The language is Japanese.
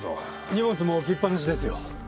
荷物も置きっ放しですよ。